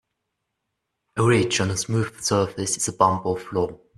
A ridge on a smooth surface is a bump or flaw.